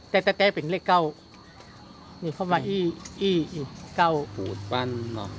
แต่แต่เป็นเหล็กเก้าเข้ามาอี่อี่อีกเก้าผูดปัน